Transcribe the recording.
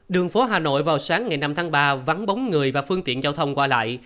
đường phố hà nội vào sáng ngày năm tháng ba vắng bóng người và phương tiện giao thông qua lại